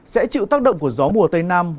sẽ chịu tác động của gió mùa tây nam